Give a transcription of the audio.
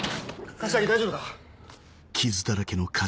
柏木大丈夫か？